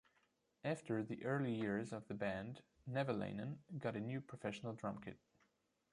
After the early years of the band, Nevalainen got a new professional drum kit.